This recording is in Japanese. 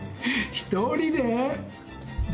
１人で？